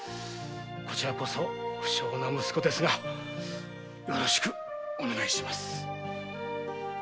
こちらこそ不肖な息子ですがよろしくお願いします。